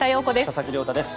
佐々木亮太です。